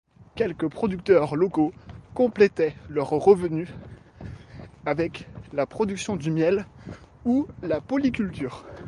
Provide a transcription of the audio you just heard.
Quelques producteurs locaux complétaient leurs revenus avec la production du miel, ou la polyculture.